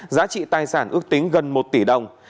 giá trị tài sản ước tính gần một tỷ đồng